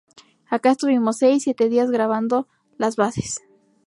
Acá estuvimos seis, siete días grabando las bases.